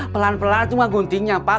pelan pelan cuma guntingnya pak